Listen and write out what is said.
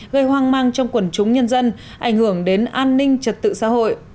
gây hoang mang trong quần chúng nhân dân ảnh hưởng đến an ninh trật tự xã hội